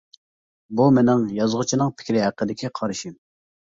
بۇ مىنىڭ يازغۇچىنىڭ پىكرى ھەققىدىكى قارىشىم.